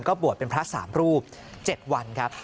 บวชเป็นพระ๓รูป๗วันครับ